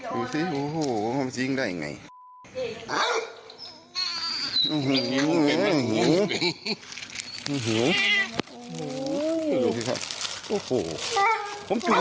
ดูสิโอ้โหมันทิ้งได้ยังไง